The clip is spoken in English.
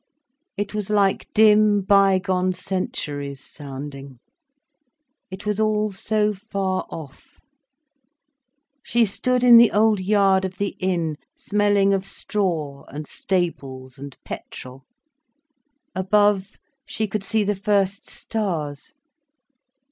It was like dim, bygone centuries sounding. It was all so far off. She stood in the old yard of the inn, smelling of straw and stables and petrol. Above, she could see the first stars.